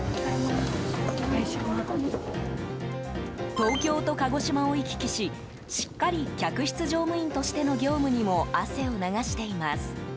東京と鹿児島を行き来ししっかり、客室乗務員としての業務にも汗を流しています。